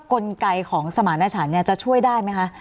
กลไกของสมารณชันจะช่วยได้ไหมคะ